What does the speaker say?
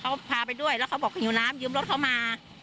เขาพาไปด้วยแล้วเขาบอกหิวน้ำยืมรถเขามา